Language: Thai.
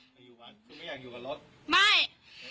ไม่อยากอยู่กับรถ